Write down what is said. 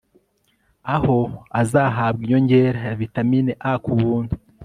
aho azahabwa inyongera ya vitamin a ku buntu